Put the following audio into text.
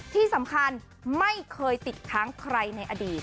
ที่สำคัญไม่เคยติดค้างใครในอดีต